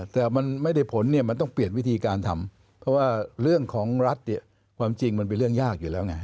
แต่มันไม่ได้ผลเนี่ยมันต้องเปลี่ยนวิธีการทำเพราะว่าเรื่องของรัฐเนี่ยความจริงมันเป็นเรื่องยากอยู่แล้วไง